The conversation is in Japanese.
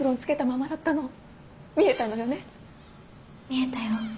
見えたよ。